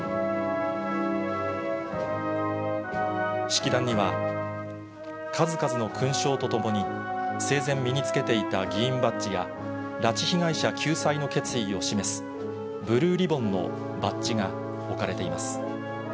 式壇には数々の勲章とともに、生前、身につけていた議員バッジや拉致被害者救済の決意を示すブルーリボンのバッジが置かれています。